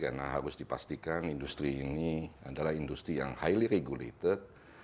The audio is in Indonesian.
karena harus dipastikan industri ini adalah industri yang highly regulated